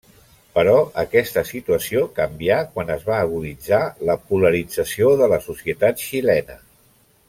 Però aquesta situació canvià quan es va aguditzar la polarització de la societat xilena.